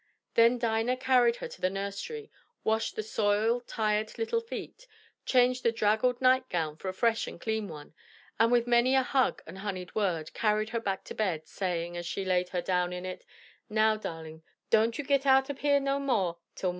Then Dinah carried her to the nursery, washed the soiled, tired little feet, changed the draggled night gown for a fresh and clean one, and with many a hug and honeyed word, carried her back to bed, saying, as she laid her down in it, "Now, darlin', don't you git out ob heyah no mo' till mornin'."